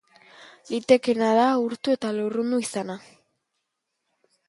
Litekeena da urtu eta lurrundu izana.